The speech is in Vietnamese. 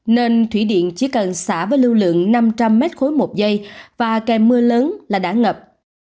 nên thủy điện chỉ cần xả với lưu lượng năm trăm linh m ba một giây và kèm mưa lớn là đã ngập